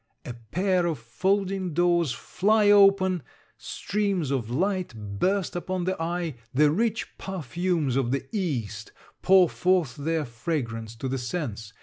A pair of folding doors fly open. Streams of light burst upon the eye. The rich perfumes of the east pour forth their fragrance to the sense.